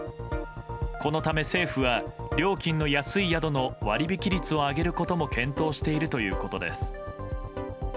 このため、政府は料金の安い宿の割引率を上げることも検討しているということです。